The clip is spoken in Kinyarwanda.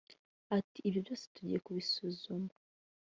Ati ”Ibyo byose tugiye kubisuzuma